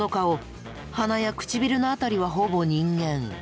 鼻や唇の辺りはほぼ人間。